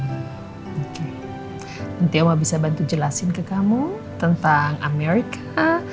nanti mama bisa bantu jelasin ke kamu tentang amerika